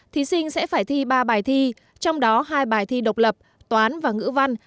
thí sinh sẽ phải thi ba bài thi trong đó hai bài thi độc lập toán và ngữ văn